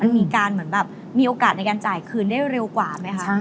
มันมีโอกาสในการจ่ายคืนได้เร็วกว่าไหมคะ